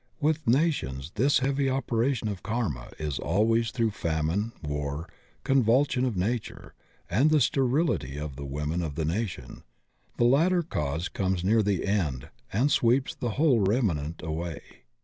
With nations this heavy operation of karma is always through famine, war, convulsion of nature, and the sterility of the women of the nation. The latter cause comes near the end and sweeps the whole remnant away.